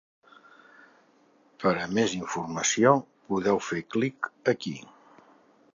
Per a més informació, podeu fer clic aquí.